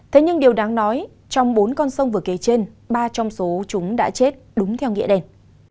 thế nhưng điều đáng nói trong bốn con sông vừa kế trên ba trong số chúng đã chết đúng theo nghĩa đen